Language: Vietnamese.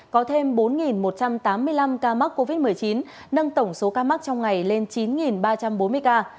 có thêm bốn một trăm tám mươi năm ca mắc covid một mươi chín nâng tổng số ca mắc trong ngày lên chín ba trăm bốn mươi ca